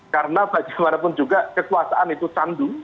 karena bagaimanapun juga kekuasaan itu sandu